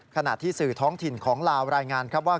ขณะที่สื่อท้องถิ่นของลาวรายงานครับว่า